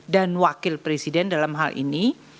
dan wakil presiden dalam hal ini